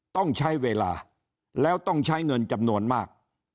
ต้องใช้เวลาแล้วต้องใช้เงินจำนวนมาก